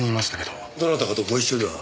どなたかとご一緒では？